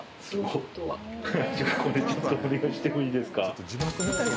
これちょっとお願いしてもいいですか？